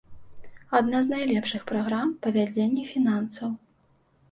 Адна з найлепшых праграм па вядзенні фінансаў.